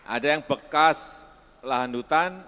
ada yang bekas lahan hutan